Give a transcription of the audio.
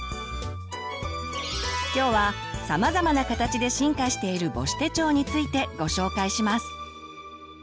今日はさまざまな形で進化している母子手帳についてご紹介します。